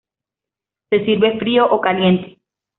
Se sirve frío o caliente.